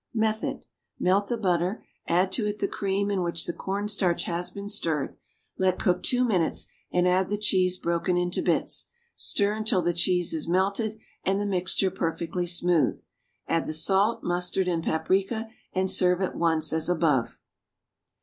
Method. Melt the butter; add to it the cream in which the cornstarch has been stirred. Let cook two minutes, and add the cheese broken into bits. Stir until the cheese is melted and the mixture perfectly smooth. Add the salt, mustard and paprica, and serve at once as above.